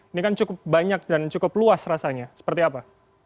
ini kan cukup banyak dan cukup luas rasanya seperti apa